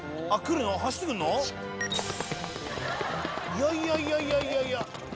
いやいやいやいや。